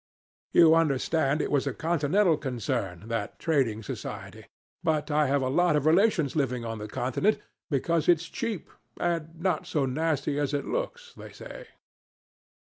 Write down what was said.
"You understand it was a Continental concern, that Trading society; but I have a lot of relations living on the Continent, because it's cheap and not so nasty as it looks, they say.